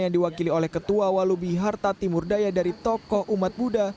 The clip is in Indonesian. yang diwakili oleh ketua walubi harta timur daya dari tokoh umat buddha